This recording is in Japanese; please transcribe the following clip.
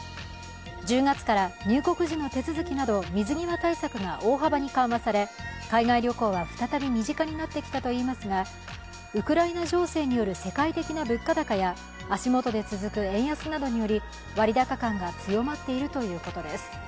１０月から入国時の手続きなど水際対策が大幅に緩和され海外旅行は再び身近になってきたといいますがウクライナ情勢による世界的な物価高や足元で続く円安などにより、割高感が強まっているということです。